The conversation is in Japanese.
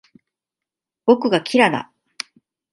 僕がキラだ